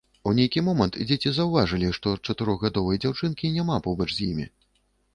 У нейкі момант дзеці заўважылі, што чатырохгадовай дзяўчынкі няма побач з імі.